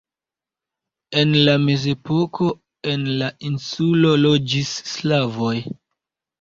En la Mezepoko en la insulo loĝis slavoj.